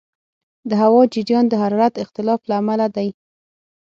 د هوا جریان د حرارت اختلاف له امله دی.